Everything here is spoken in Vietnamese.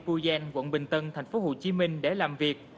công ty puyen quận bình tân tp hcm để làm việc